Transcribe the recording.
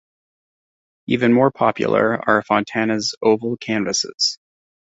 Even more popular are Fontana's oval canvases.